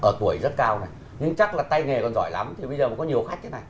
ở tuổi rất cao này nhưng chắc là tay nghề còn giỏi lắm thì bây giờ cũng có nhiều khách thế này